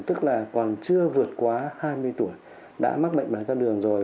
tức là còn chưa vượt quá hai mươi tuổi đã mắc bệnh đáy đường rồi